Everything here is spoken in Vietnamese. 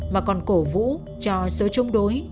mà còn cổ vũ cho số chung đối